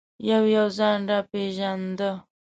یو یو ځان را پېژانده.